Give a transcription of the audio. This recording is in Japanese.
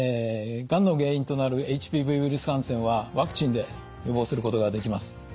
がんの原因となるＨＰＶウイルス感染はワクチンで予防することができます。